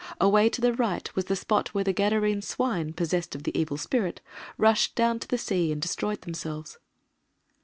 Away to the right was the spot where the Gadarene swine, possessed of the evil spirit, rushed down to the sea and destroyed themselves.